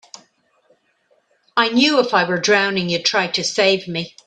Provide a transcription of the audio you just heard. I knew if I were drowning you'd try to save me.